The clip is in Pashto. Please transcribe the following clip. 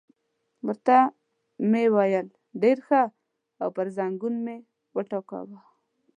ورته مې وویل: ډېر ښه، او پر زنګون مې وټکاوه.